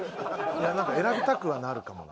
いやなんか選びたくはなるかもな。